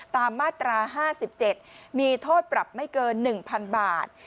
ตามมาตรา๕๗มีโทษปรับไม่เกิน๑๐๐๐บาท